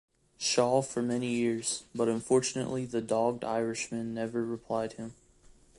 Shaw for many years, but unfortunately the dogged Irishman never replied him.